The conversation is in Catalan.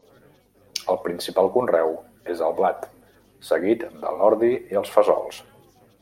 El principal conreu és el blat, seguit de l'ordi i els fesols.